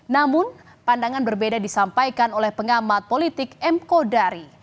namun pandangan berbeda disampaikan oleh pengamat politik m kodari